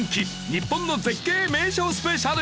日本の絶景・名所スペシャル。